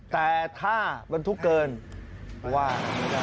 แต่ถ้าบรรทุกเกินว่า